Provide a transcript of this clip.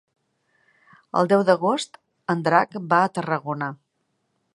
El deu d'agost en Drac va a Tarragona.